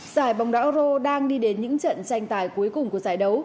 giải bóng đá euro đang đi đến những trận tranh tài cuối cùng của giải đấu